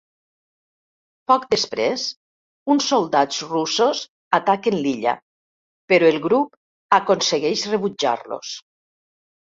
Poc després, uns soldats russos ataquen l'illa, però el grup aconsegueix rebutjar-los.